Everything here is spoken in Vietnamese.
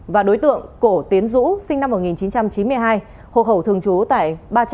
và đối tượng cổ tiến dũ sinh năm một nghìn chín trăm chín mươi hai hộ khẩu thường trú tại ba trăm tám mươi